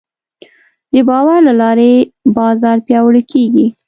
د باور له لارې بازار پیاوړی کېږي.